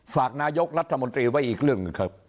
แล้วก็รัฐมนตรีไว้อีกเรื่องกันครับ